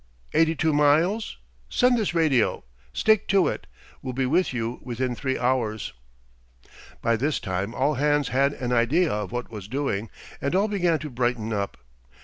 Eighty two miles? Send this radio: 'Stick to it will be with you within three hours.'" By this time all hands had an idea of what was doing and all began to brighten up.